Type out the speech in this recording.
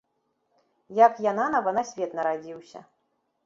Як я нанава на свет нарадзіўся.